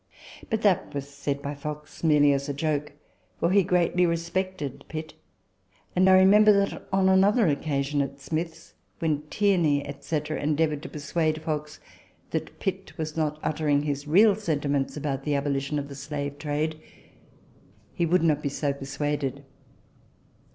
But that was said by Fox merely as a joke ; for he greatly respected Pitt ; and I remember that, on another occasion TABLE TALK OF SAMUEL ROGERS 51 at Smith's, when Tierney, &c., endeavoured to persuade Fox that Pitt was not uttering his real sentiments about the abolition of the slave trade, he would not be so persuaded.